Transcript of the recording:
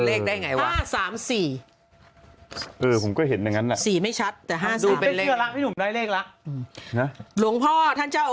เลขไม่เชื่อแล้วพี่หนุ่มได้เลขแล้วนะหลวงพ่อท่านเจ้า